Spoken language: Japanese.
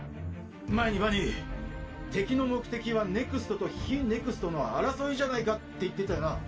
前にバニー「敵の目的はＮＥＸＴと非ＮＥＸＴの争いじゃないか？」って言ってたよな。